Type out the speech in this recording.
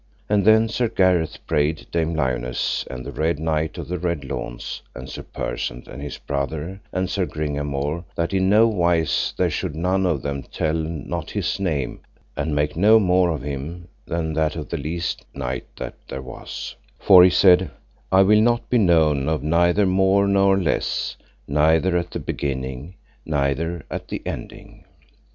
And then Sir Gareth prayed Dame Lionesse and the Red Knight of the Red Launds, and Sir Persant and his brother, and Sir Gringamore, that in no wise there should none of them tell not his name, and make no more of him than of the least knight that there was, For, he said, I will not be known of neither more nor less, neither at the beginning neither at the ending.